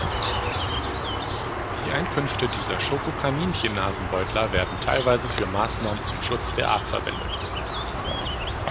Die Einkünfte dieser Schoko-Kaninchennasenbeutler werden teilweise für Maßnahmen zum Schutz der Art verwendet.